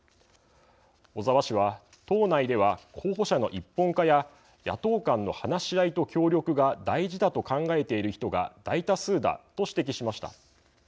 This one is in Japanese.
小沢氏は、党内では候補者の一本化や野党間の話し合いと協力が大事だと考えている人が大多数だと指摘しました。